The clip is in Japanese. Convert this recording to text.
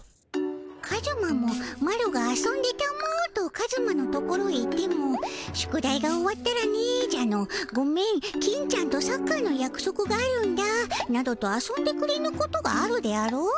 カズマもマロが「遊んでたも」とカズマのところへ行っても「宿題が終わったらね」じゃの「ごめん金ちゃんとサッカーのやくそくがあるんだ」などと遊んでくれぬことがあるであろう。